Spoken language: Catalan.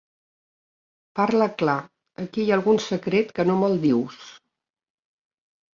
Parla clar. Aquí hi ha algun secret que no me'l dius.